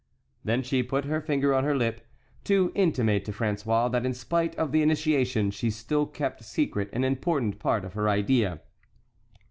Then she put her finger on her lip, to intimate to François that in spite of the initiation she still kept secret an important part of her idea.